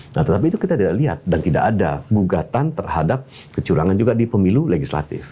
nah tetapi itu kita tidak lihat dan tidak ada gugatan terhadap kecurangan juga di pemilu legislatif